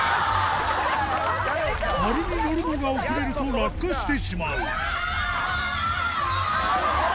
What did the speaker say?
「○」に乗るのが遅れると落下してしまううわぁ！